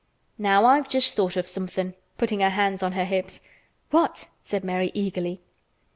Now I've just thought of somethin'," putting her hands on her hips. "What?" said Mary eagerly.